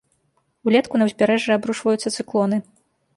Улетку на ўзбярэжжа абрушваюцца цыклоны.